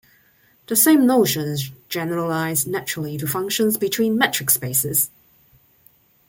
The same notions generalize naturally to functions between metric spaces.